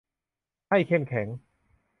ให้เข้มแข็ง